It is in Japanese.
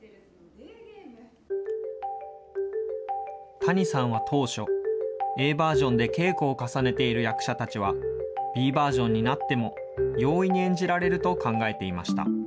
谷さんは当初、Ａバージョンで稽古を重ねている役者たちは、Ｂバージョンになっても容易に演じられると考えていました。